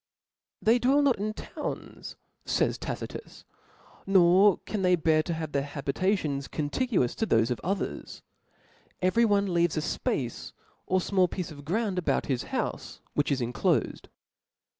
." They dwell not in townSj fays * Tacrtus, nor ^ can they bear to have their habitatbns contiguous *^ to thofe of others ; every one leaves a fpace or *^ fmall piece of gr6und about his houfc, which is *^ inclofed."